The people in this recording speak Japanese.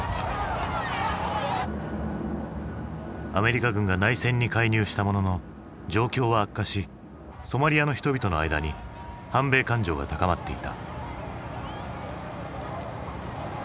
アメリカ軍が内戦に介入したものの状況は悪化しソマリアの人々の間に反米感情が高まっていた。